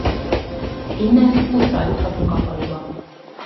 Innen busszal juthatunk a faluba.